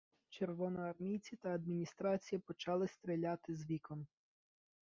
Червоноармійці та адміністрація почали стріляти з вікон.